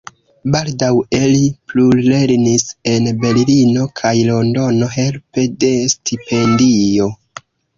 Baldaŭe li plulernis en Berlino kaj Londono helpe de stipendio.